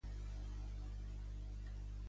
Torra pot haver comès un delicte de desobediència